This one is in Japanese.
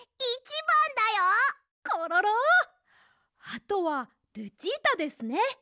あとはルチータですね。